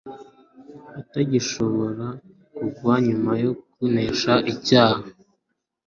atagishobora kugwa nyuma yo kunesha icyaha;